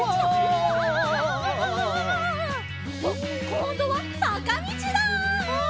こんどはさかみちだ！